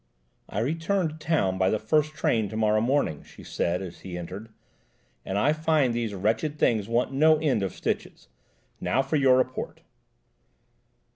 "I return to town by the first train to morrow morning," she said as he entered, "and I find these wretched things want no end of stitches. Now for your report."